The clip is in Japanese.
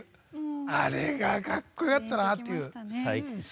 あれが格好よかったなっていう。